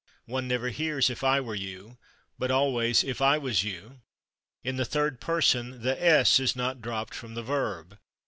One never hears "if I /were/ you," but always "if I /was/ you." In the third person the / s/ is not dropped from the verb.